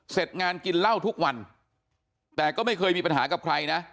เสร็จงานกินเหล้าทุกวันแต่ก็ไม่เคยมีปัญหากับใครนะ